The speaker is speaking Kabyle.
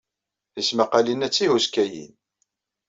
Tismaqqalin-a d tihuskayin.